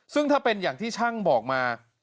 ซึ่งถ้าเป็นอย่างที่ช่างบอกมา